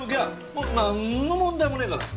もうなんの問題もねえから。